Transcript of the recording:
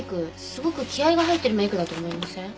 すごく気合が入ってるメイクだと思いません？